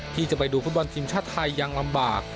ที่จะไปดูฟุตบอลทีมชาติไทยยังลำบาก